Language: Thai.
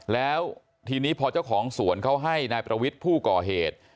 แล้วทีนี้พอเจ้าของสวนเขาให้นายประวิทย์ผู้ก่อเหตุ